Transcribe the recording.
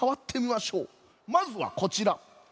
まずはこちら。